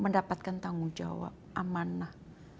mendapatkan tanggung jawab amanah